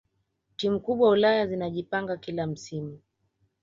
timu kubwa ulaya zinajipanga kila msimu